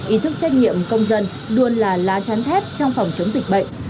ý thức trách nhiệm công dân luôn là lá chắn thép trong phòng chống dịch bệnh